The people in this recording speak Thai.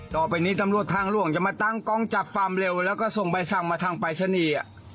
ต่อไปนี้ตำรวจทางหลวงจะมาตั้งกล้องจับความเร็วแล้วก็ส่งใบสั่งมาทางปรายศนีย์